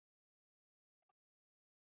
是我们的一分子